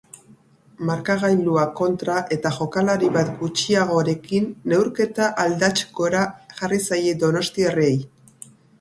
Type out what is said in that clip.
Markagailua kontra eta jokalari bat gutxiagorekin, neurketa aldats gora jarri zaie donostiarrei.